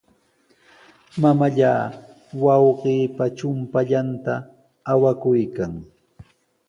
Mamallaa wawqiipa chumpallanta awakuykan.